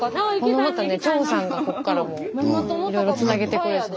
スタジオ張さんがこっからもういろいろつなげてくれるんです。